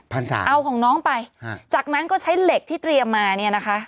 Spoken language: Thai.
สามเอาของน้องไปฮะจากนั้นก็ใช้เหล็กที่เตรียมมาเนี่ยนะคะ